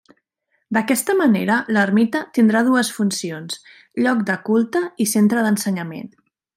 D'aquesta manera, l'ermita tindrà dues funcions: lloc de culte i centre d'ensenyament.